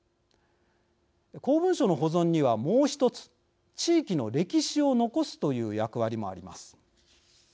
公文書の保存には、もう１つ地域の歴史を残すという役割もあります。